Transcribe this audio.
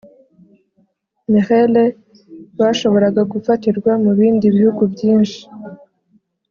merelles bashobora gufatirwa mu bihugu byinshi